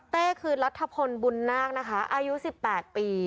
คือรัฐพลบุญนาคนะคะอายุ๑๘ปี